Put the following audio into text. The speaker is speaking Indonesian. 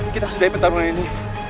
kita sudah epet tahun ini